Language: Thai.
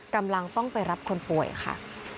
กำลังต้องไปรับคนป่วยค่ะ